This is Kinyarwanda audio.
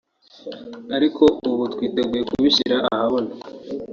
ariko ubu twiteguye kubishyira ahabona